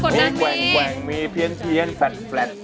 มีแควงมีเพียนแฟลด